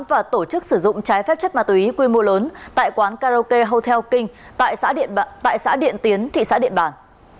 và tổ chức sử dụng trái phép chất ma túy quy mô lớn tại quán karaoke hotel king tại xã điện tiến thị xã điện bàn